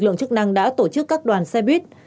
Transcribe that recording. năng đã tổ chức các đoàn xe buýt